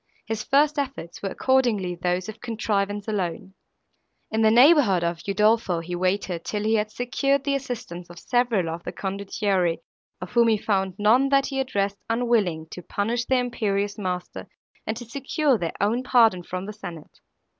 His first efforts were accordingly those of contrivance alone. In the neighbourhood of Udolpho, he waited, till he had secured the assistance of several of the condottieri, of whom he found none, that he addressed, unwilling to punish their imperious master and to secure their own pardon from the senate.